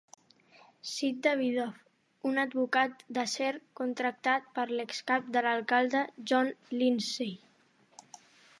Sid Davidoff, un advocat d'acer contractat per l'excap de l'alcalde John Lindsay.